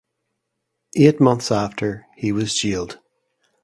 Eight months after he was jailed.